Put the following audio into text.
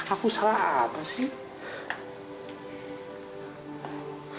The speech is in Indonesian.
aku salah apa sih